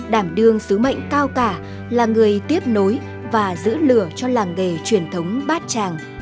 đảm đương sứ mệnh cao cả là người tiếp nối và giữ lửa cho làng nghề truyền thống bát tràng